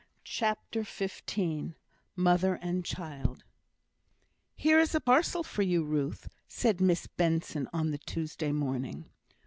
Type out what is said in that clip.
CHAPTER XV Mother and Child "Here is a parcel for you, Ruth!" said Miss Benson on the Tuesday morning.